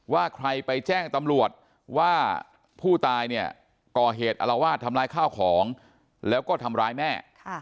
ว่าใครไปแจ้งตำรวจว่าผู้ตายเนี่ยก่อเหตุอลวาดทำร้ายข้าวของแล้วก็ทำร้ายแม่